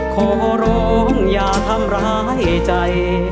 ขอร้องอย่าทำร้ายใจ